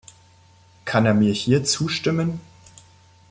Kann er mir hier zustimmen?